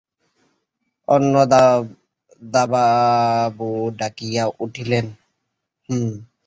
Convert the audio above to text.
অন্নদাবাবু ডাকিয়া উঠিলেন, হেম!